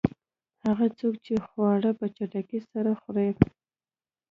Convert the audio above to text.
هغه څوک چې خواړه په چټکۍ سره خوري.